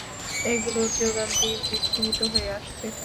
এগুলোর জোগান দিনদিন সীমিত হয়ে আসছে।